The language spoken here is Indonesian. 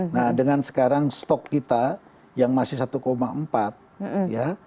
nah dengan sekarang stok kita yang masih satu empat ya